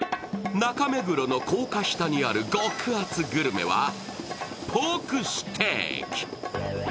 中目黒の高架下にある極厚グルメは、ポークステーキ。